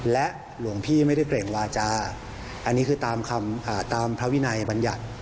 และหลวงพี่ไม่ได้เกร่งวาจาอันนี้คือตามพระวินัยบัญญัติ